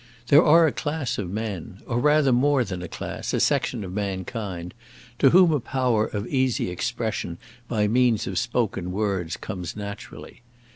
There are a class of men, or rather more than a class, a section of mankind, to whom a power of easy expression by means of spoken words comes naturally.